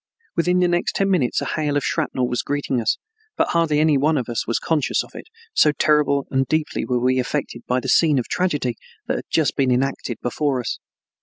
Within the next ten minutes a hail of shrapnel was greeting us, but hardly any one of us was conscious of it, so terribly and deeply were we affected by the scene of tragedy that had just been enacted before us.